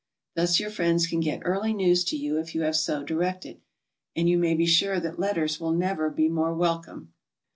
Thus your friends can get 48 GOING ABROAD? early news to you if you have so directed, and you may be sure that letters will never be more welcome.